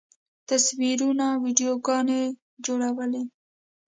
تصویرونه، ویډیوګانې جوړولی